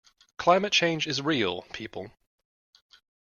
Climate change is real, people.